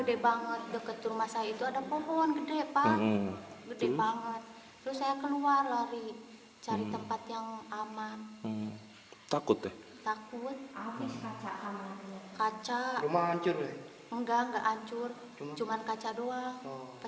enggak enggak hancur cuma kaca doang